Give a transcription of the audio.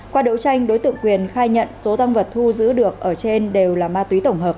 qua đấu tranh đối tượng quyền khai nhận số tăng vật thu giữ được ở trên đều là ma túy tổng hợp